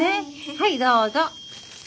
はいどうぞ。